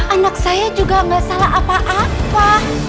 anak saya juga gak salah apa apa